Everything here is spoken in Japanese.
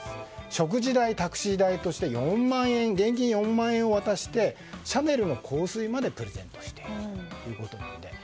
食事代、タクシー代として現金４万円を渡してシャネルの香水までプレゼントしたということです。